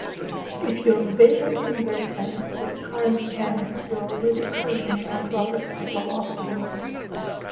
If you're vaguely conversant with current events, you're already cruising at Roberts' velocity.